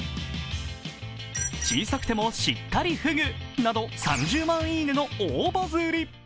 小さくてもしっかりふぐなど３０万いいねの大バズリ。